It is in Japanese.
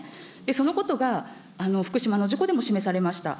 そのことが福島の事故でも示されました。